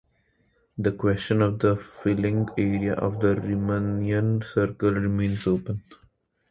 The question of the filling area of the Riemannian circle remains open.